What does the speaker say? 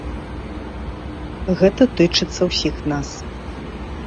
Гэта тычыцца ўсіх нас.